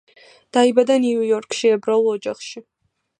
დაიბადა ნიუ-იორკში, ებრაულ ოჯახში.